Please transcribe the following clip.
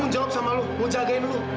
dia mau jawab sama lo mau jagain lo